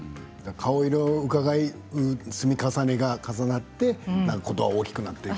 顔色をうかがう積み重ねが重なってことが大きくなっていく。